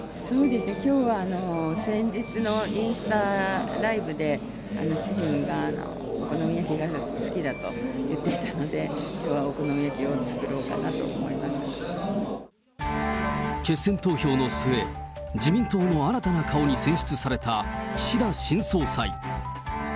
きょうは先日のインスタライブで、主人がお好み焼きが好きだと言っていたので、きょうはお好み焼き決選投票の末、自民党の新たな顔に選出された岸田新総裁。